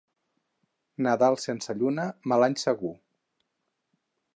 Nadal sense lluna, mal any segur.